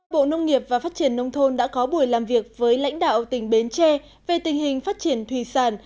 bộ nông nghiệp và phát triển nông thôn đã có buổi làm việc với lãnh đạo tỉnh bến tre về tình hình phát triển thủy sản